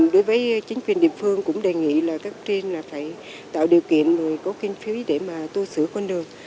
đối với chính quyền địa phương cũng đề nghị các trên là phải tạo điều kiện có kiến phí để tu sửa con đường